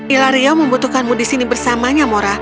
ilaria membutuhkanmu di sini bersamanya mora